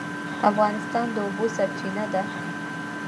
افغانستان د اوبو سرچینه ده